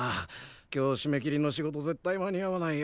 今日しめ切りの仕事絶対間に合わないよ。